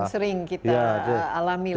yang sering kita alami